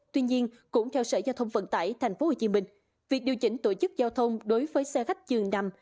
tuy nhiên cũng theo sở giao thông vận tải tp hcm việc điều chỉnh tổ chức giao thông đối với xe khách dường nằm